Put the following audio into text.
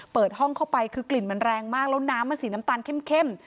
เปิดห้องเข้าไปคือกลิ่นมันแรงมากแล้วน้ำมันสีน้ำตาลเข้ม